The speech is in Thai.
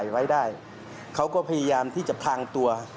แล้วก็เรียกเพื่อนมาอีก๓ลำ